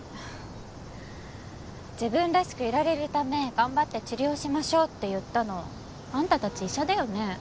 「自分らしくいられるため頑張って治療しましょう」って言ったのあんたたち医者だよね？